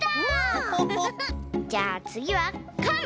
じゃあつぎはかん！